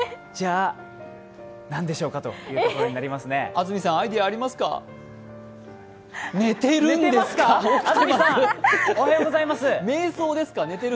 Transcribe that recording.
じゃあ何でしょうかということですね。